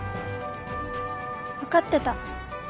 分かってた。